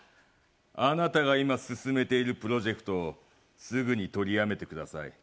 あなたが今進めているプロジェクトをすぐに取りやめてください。